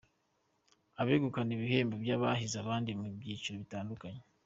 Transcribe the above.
Abegukanye ibihembo by’abahize abandi mu byiciro bitandukanye: .